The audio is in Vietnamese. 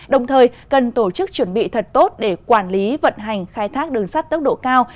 đồng thời cần tổ chức chuẩn bị thật tốt để quản lý vận hành khai thác đường sắt tốc độ cao